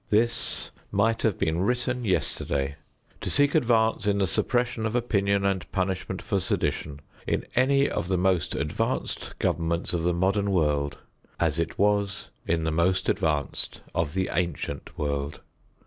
This might have been written yesterday to seek advice in the suppression of opinion and punishment for sedition in any of the most advanced governments of the modern world, as it was in the most advanced of the ancient world.